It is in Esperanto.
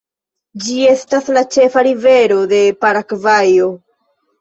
Ĝi estas la ĉefa rivero de Paragvajo.